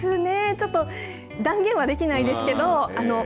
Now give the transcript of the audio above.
ちょっと断言はできないんですけど。